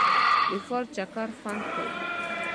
د ښار چکر خوند کوي.